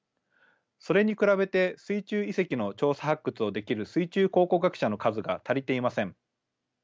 それに比べて水中遺跡の調査発掘をできる水中考古学者の数が足りていません。